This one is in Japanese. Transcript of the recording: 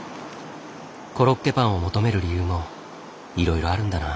コロッケパンを求める理由もいろいろあるんだな。